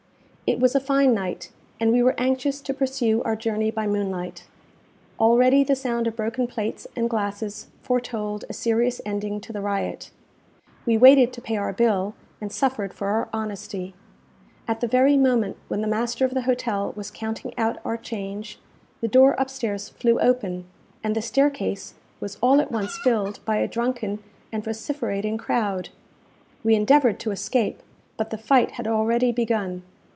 It was a fine night, and we were anxious to pursue our journey by moonlight. Already the sound of broken plates and glasses foretold a serious ending to the riot. We waited to pay our bill, and suffered for our honesty. At the very moment when the master of the hotel was counting out our change, the door upstairs flew open, and the staircase was all at once filled by a drunken and vociferating crowd. We endeavoured to escape; but the fight had already begun.